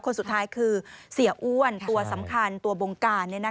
คนสุดท้ายคือเสียอ้วนตัวสำคัญตัวบงการ